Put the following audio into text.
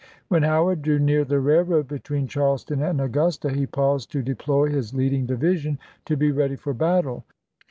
When Howard drew near the railroad between Charleston and Augusta, he paused to deploy his leading division to be ready for battle.